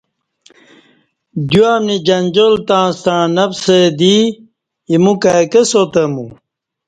دیوامنی جنجال تاستݩع نفس دی ایمو کائی کہ ساتہ مو